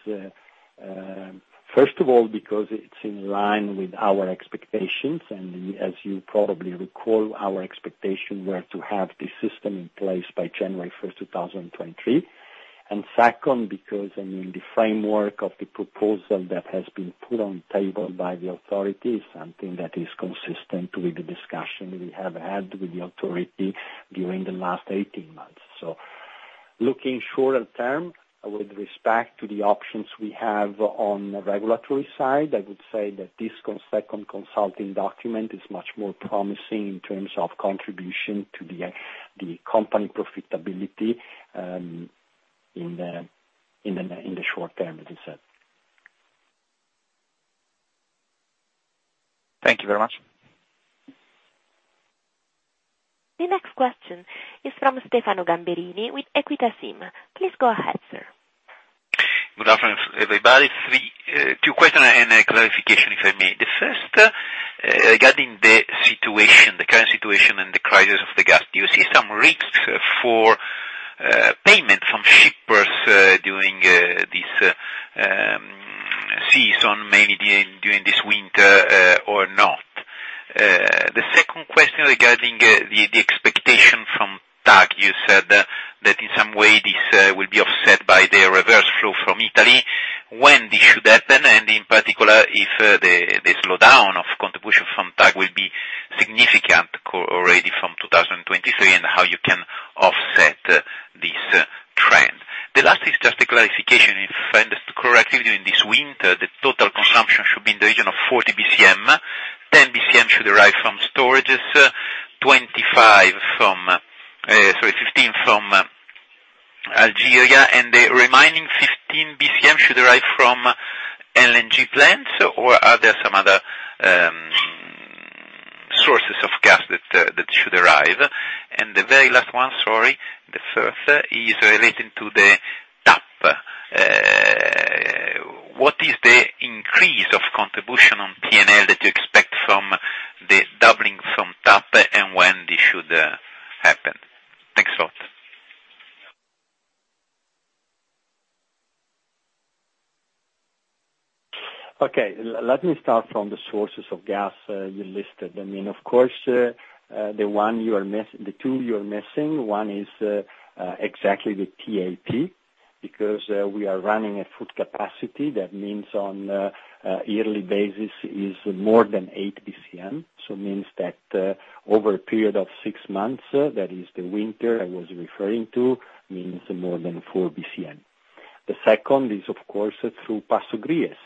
first of all, because it's in line with our expectations, and as you probably recall, our expectations were to have the system in place by January 1st, 2023. Second, because I mean, the framework of the proposal that has been put on the table by the authority is something that is consistent with the discussion we have had with the authority during the last 18 months. Looking shorter term, with respect to the options we have on the regulatory side, I would say that this second consulting document is much more promising in terms of contribution to the company profitability in the short term, as I said. Thank you very much. The next question is from Stefano Gamberini with Equita SIM. Please go ahead, sir. Good afternoon, everybody. Two questions and a clarification, if I may. The first regarding the situation, the current situation and the gas crisis, do you see some risks for payment from shippers during this season, maybe during this winter, or not? The second question regarding the expectation from TAG. You said that in some way this will be offset by the reverse flow from Italy. When this should happen, and in particular, if the slowdown of contribution from TAG will be significant already from 2023, and how you can offset this. The last is just a clarification. If I understand correctly, during this winter, the total consumption should be in the region of 40 bcm, 10 bcm should arrive from storages, 15 from Algeria, and the remaining 15 bcm should arrive from LNG plants, or are there some other sources of gas that should arrive? The very last one, sorry, the third, is relating to the TAP. What is the increase of contribution on P&L that you expect from the doubling from TAP, and when this should happen? Thanks a lot. Okay. Let me start from the sources of gas you listed. I mean, of course, the two you are missing, one is exactly the TAP, because we are running at full capacity. That means on a yearly basis is more than 8 bcm. Means that, over a period of six months, that is the winter I was referring to, means more than 4 bcm. The second is, of course, through Passo Gries.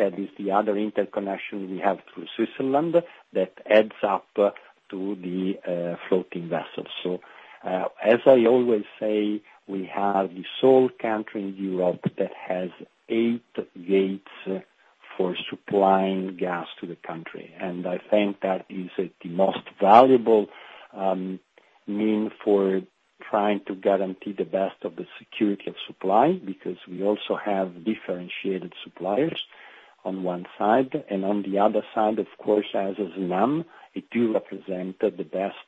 That is the other interconnection we have through Switzerland that adds up to the floating vessels. As I always say, we have the sole country in Europe that has eight gates for supplying gas to the country. I think that is the most valuable mean for trying to guarantee the best of the security of supply, because we also have differentiated suppliers on one side, and on the other side, of course, as Snam, it do represent the best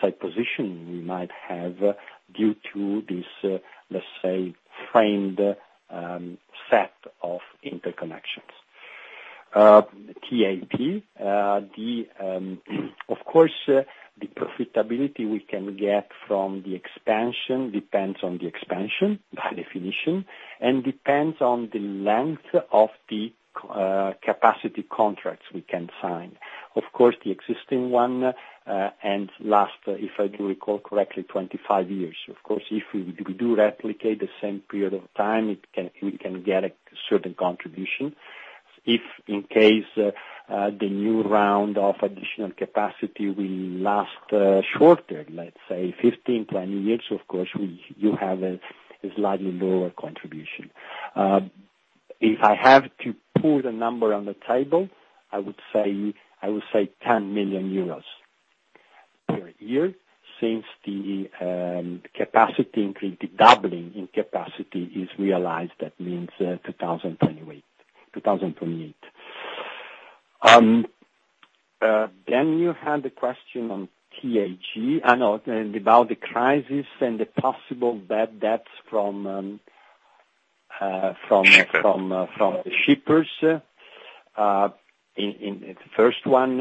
site position we might have due to this, let's say, framed set of interconnections. TAP, of course, the profitability we can get from the expansion depends on the expansion by definition, and depends on the length of the capacity contracts we can sign. Of course, the existing one and lasts, if I do recall correctly, 25 years. Of course, if we do replicate the same period of time, we can get a certain contribution. If in case the new round of additional capacity will last shorter, let's say 15, 20 years, of course you have a slightly lower contribution. If I have to put a number on the table, I would say 10 million euros per year. Since the capacity increase, the doubling in capacity is realized, that means 2028. Then you had a question on TAG. I know about the crisis and the possible bad debts from the shippers. In the first one,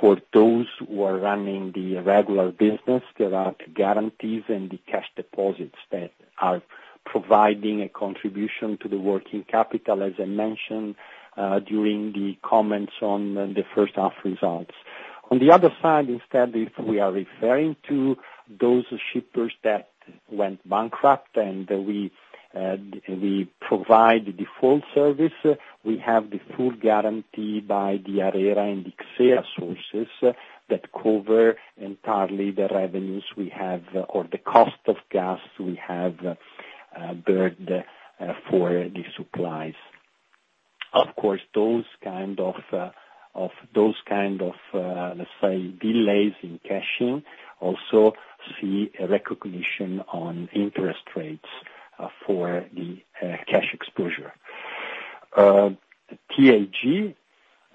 for those who are running the regular business, there are guarantees and the cash deposits that are providing a contribution to the working capital, as I mentioned during the comments on the first half results. On the other side, instead, if we are referring to those shippers that went bankrupt and we provide the full service, we have the full guarantee by the sources that cover entirely the revenues we have or the cost of gas we have burned for the supplies. Of course, those kind of delays in cashing also see a recognition on interest rates for the cash exposure. TAG,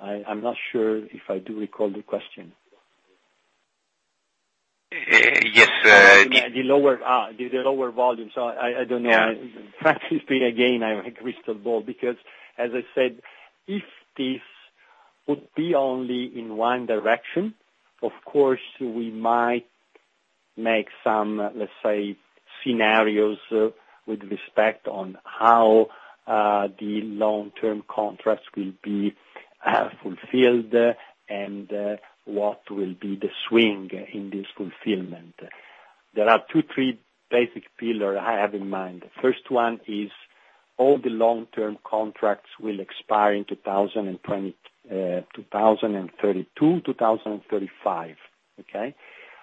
I'm not sure if I do recall the question. Yes. The lower volume. I don't know. Yeah. Frankly speaking, again, I'm a crystal ball because as I said, if this would be only in one direction, of course, we might make some, let's say, scenarios with respect to how the long-term contracts will be fulfilled, and what will be the swing in this fulfillment. There are two, three basic pillar I have in mind. First one is all the long-term contracts will expire in 2032, 2035. Okay?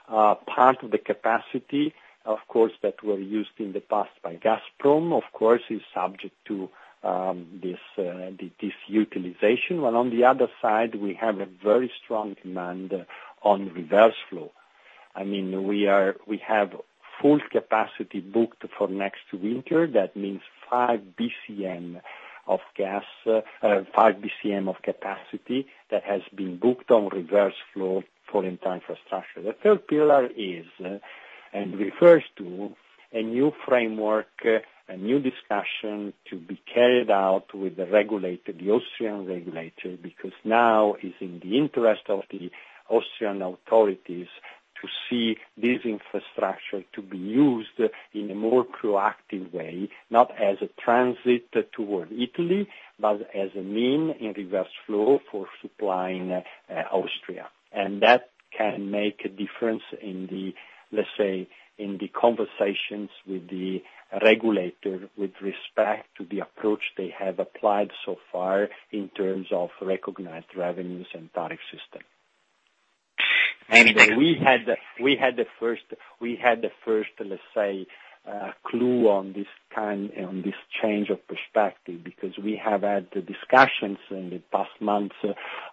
Part of the capacity, of course, that were used in the past by Gazprom, of course, is subject to this utilization, while on the other side we have a very strong demand for reverse flow. I mean we have full capacity booked for next winter. That means 5 bcm of gas, 5 bcm of capacity that has been booked on reverse flow for entire infrastructure. The third pillar is, and refers to, a new framework, a new discussion to be carried out with the regulator, the Austrian regulator, because now it's in the interest of the Austrian authorities to see this infrastructure to be used in a more proactive way, not as a transit toward Italy, but as a means in reverse flow for supplying Austria. That can make a difference in the, let's say, in the conversations with the regulator with respect to the approach they have applied so far in terms of recognized revenues and tariff system. We had the first, let's say, clue on this kind. On this change of perspective, because we have had discussions in the past months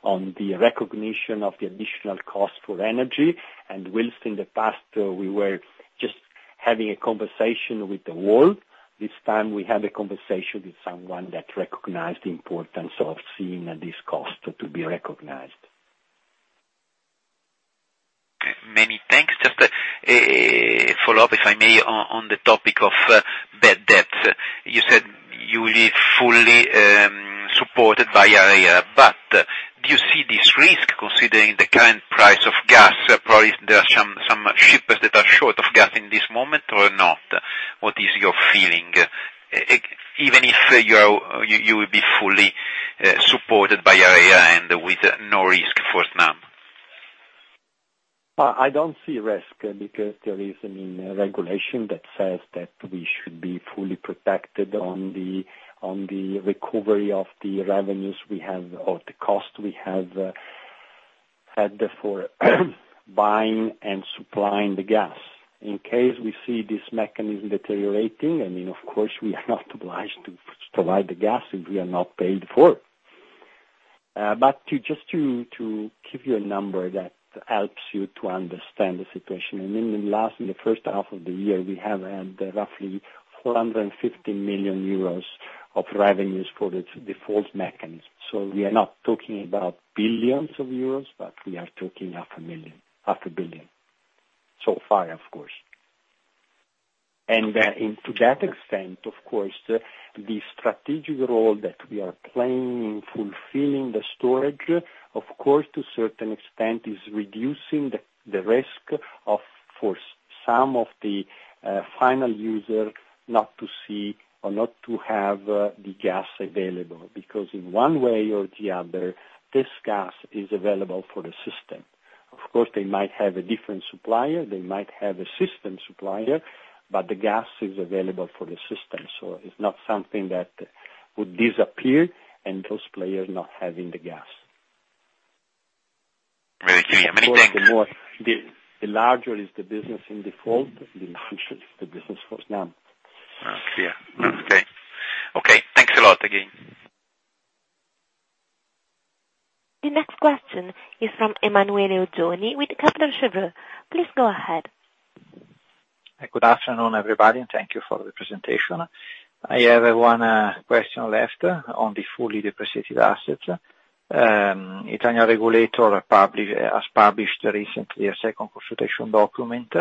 on the recognition of the additional cost for energy. While in the past, we were just having a conversation with the wall, this time we had a conversation with someone that recognized the importance of seeing this cost to be recognized. Many thanks. Just a follow-up, if I may, on the topic of bad debts. You said you will be fully supported by ARERA, but do you see this risk considering the current price of gas, probably there are some shippers that are short of gas in this moment or not? What is your feeling? Even if you will be fully supported by ARERA and with no risk for Snam. I don't see risk because there is, I mean, a regulation that says that we should be fully protected on the recovery of the revenues we have or the cost we have had for buying and supplying the gas. In case we see this mechanism deteriorating, I mean, of course, we are not obliged to provide the gas if we are not paid for. But to give you a number that helps you to understand the situation. I mean, in the first half of the year, we have had roughly 450 million euros of revenues for the default mechanism. We are not talking about billions of euros, but we are talking half a billion. So far, of course. To that extent, of course, the strategic role that we are playing in fulfilling the storage, of course, to a certain extent, is reducing the risk of for some of the final user not to see or not to have the gas available, because in one way or the other, this gas is available for the system. Of course, they might have a different supplier, they might have a system supplier, but the gas is available for the system. It's not something that would disappear and those players not having the gas. Many thanks. The larger the business in default, the larger the business for Snam. Clear. Okay, thanks a lot again. The next question is from Emanuele Oggioni with Kepler Cheuvreux. Please go ahead. Good afternoon, everybody, and thank you for the presentation. I have one question left on the fully depreciated assets. Italian regulator has published recently a second consultation document,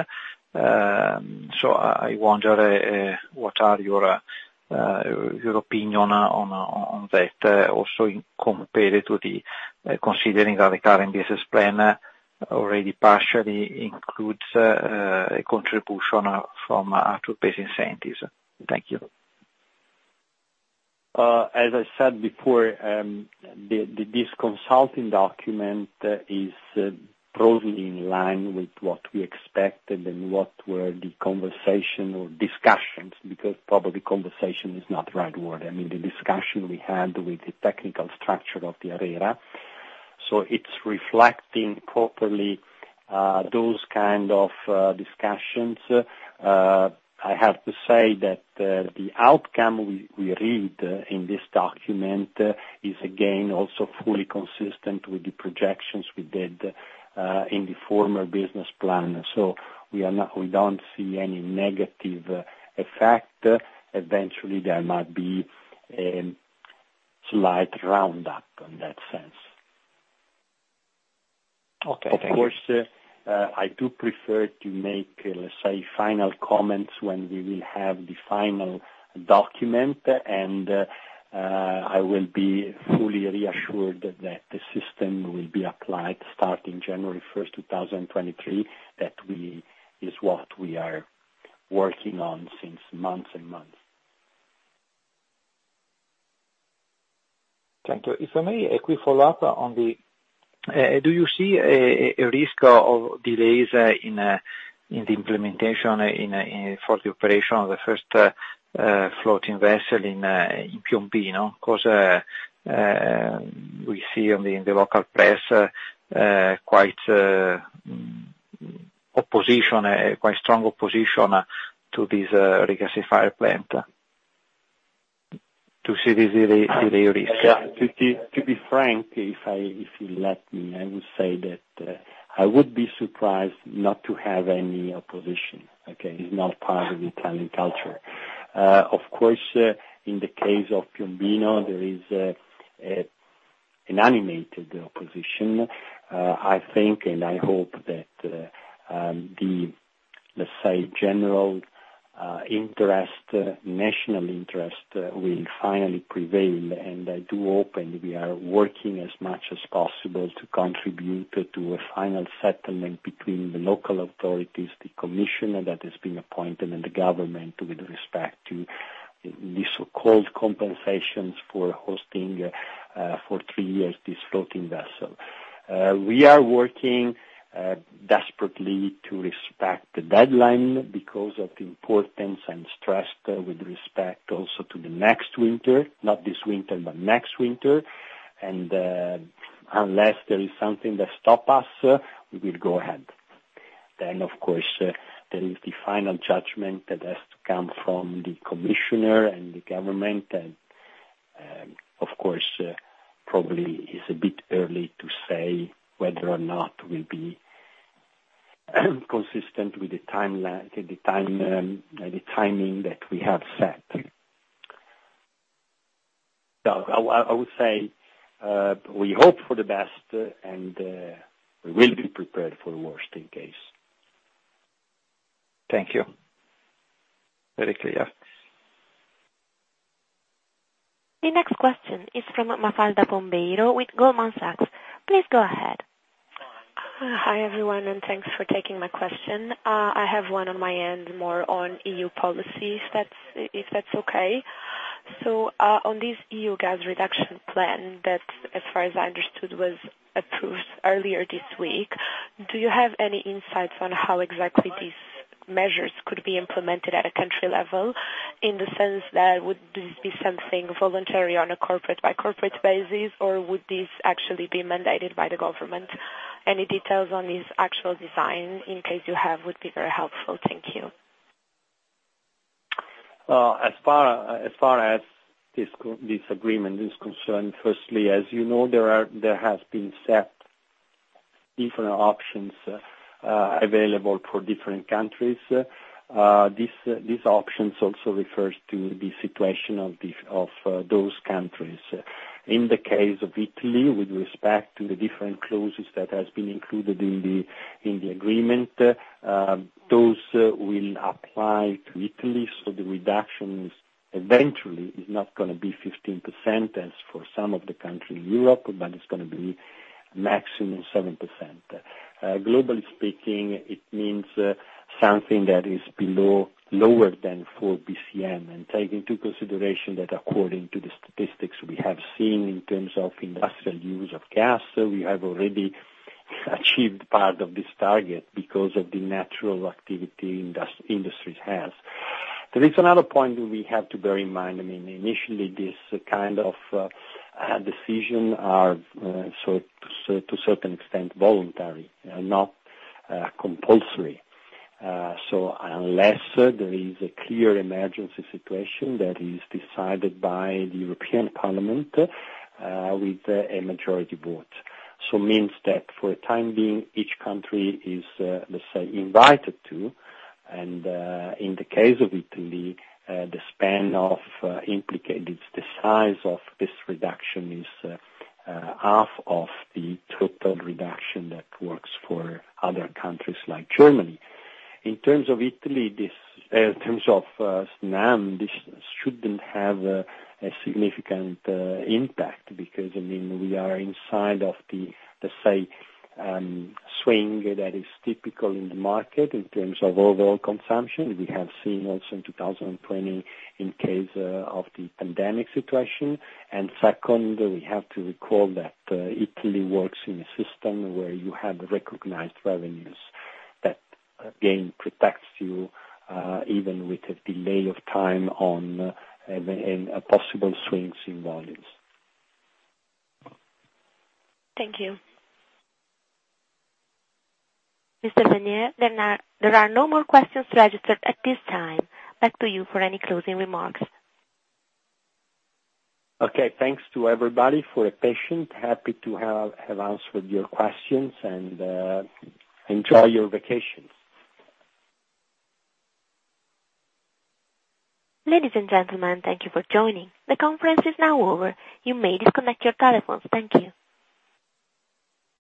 so I wonder what is your opinion on that, also in comparison to the, considering that the current business plan already partially includes a contribution from top-up pacing incentives. Thank you. As I said before, this consulting document is broadly in line with what we expected and what were the conversation or discussions, because probably conversation is not the right word. I mean, the discussion we had with the technical structure of the ARERA. It's reflecting properly those kind of discussions. I have to say that the outcome we read in this document is again also fully consistent with the projections we did in the former business plan. We don't see any negative effect. Eventually, there might be slight round up in that sense. Okay. Thank you. Of course, I do prefer to make, let's say, final comments when we will have the final document, and I will be fully reassured that the system will be applied starting January 1, 2023, that is what we are working on since months and months. Thank you. If I may, a quick follow-up on the do you see a risk of delays in the implementation for the operation of the first floating vessel in Piombino? Because, we see in the local press quite strong opposition to this regasifier plant. Do you see this as a risk? Yeah. To be frank, if you let me, I would say that I would be surprised not to have any opposition. Okay? It's not part of Italian culture. Of course, in the case of Piombino, there is an animated opposition. I think, and I hope that, let's say general interest, national interest will finally prevail, and I do hope, and we are working as much as possible to contribute to a final settlement between the local authorities, the commission that is being appointed and the government with respect to the so-called compensations for hosting, for three years this floating vessel. We are working desperately to respect the deadline because of the importance and stress, with respect also to the next winter, not this winter, but next winter. Unless there is something that stop us, we will go ahead. Of course, there is the final judgment that has to come from the commissioner and the government, and of course, probably is a bit early to say whether or not we'll be consistent with the timeline, the timing that we have set. I would say we hope for the best, and we will be prepared for the worst in case. Thank you. Very clear. The next question is from Mafalda Pombeiro with Goldman Sachs. Please go ahead. Hi, everyone, and thanks for taking my question. I have one on my end, more on EU policies. If that's okay. On this EU gas reduction plan that, as far as I understood, was approved earlier this week, do you have any insights on how exactly these measures could be implemented at a country level, in the sense that would this be something voluntary on a corporate by corporate basis, or would this actually be mandated by the government? Any details on this actual design, in case you have, would be very helpful. Thank you. As far as this agreement is concerned, firstly, as you know, there has been set different options available for different countries. These options also refers to the situation of those countries. In the case of Italy, with respect to the different clauses that has been included in the agreement, those will apply to Italy, so the reductions eventually is not gonna be 15% as for some of the countries in Europe, but it's gonna be maximum 7%. Globally speaking, it means something that is lower than 4 bcm. Take into consideration that according to the statistics we have seen in terms of industrial use of gas, we have already achieved part of this target because of the reduced activity of industries has. There is another point that we have to bear in mind. I mean, initially, this kind of decision are so to a certain extent voluntary, not compulsory, so unless there is a clear emergency situation that is decided by the European Parliament with a majority vote. Means that for the time being, each country is, let's say, invited to, and in the case of Italy, the size of this reduction is half of the total reduction that works for other countries like Germany. In terms of Italy, this. In terms of Snam, this shouldn't have a significant impact because, I mean, we are inside of the, let's say, swing that is typical in the market in terms of overall consumption. We have seen also in 2020 in case of the pandemic situation. Second, we have to recall that Italy works in a system where you have recognized revenues that, again, protects you even with a delay of time, even in possible swings in volumes. Thank you. Mr. Venier, there are no more questions registered at this time. Back to you for any closing remarks. Okay. Thanks to everybody for your patience. Happy to have answered your questions, and enjoy your vacations. Ladies and gentlemen, thank you for joining. The conference is now over. You may disconnect your telephones. Thank you.